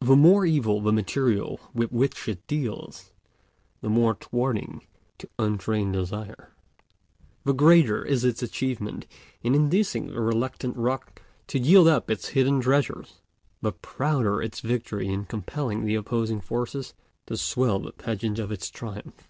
The more evil the material with which it deals, the more thwarting to untrained desire, the greater is its achievement in inducing the reluctant rock to yield up its hidden treasures, the prouder its victory in compelling the opposing forces to swell the pageant of its triumph.